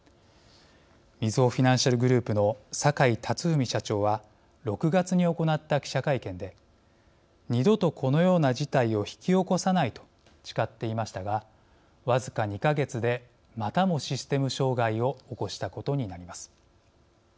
みずほフィナンシャルグループの坂井辰史社長は６月に行った記者会見で「二度とこのような事態を引き起こさない」と誓っていましたが僅か２か月でまたもシステム障害を起こしたことになります。